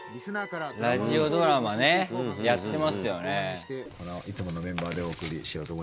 ラジオドラマねやってますよね。